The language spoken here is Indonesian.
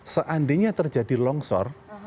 seandainya terjadi longsor